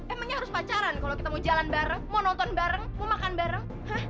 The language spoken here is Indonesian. emangnya harus pacaran kalau kita mau jalan bareng mau nonton bareng mau makan bareng